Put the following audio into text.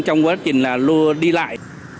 trong quá trình lưu đi lại